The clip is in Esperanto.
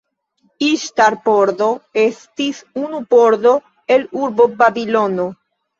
Iŝtar-pordo estis unu pordo el urbo Babilono.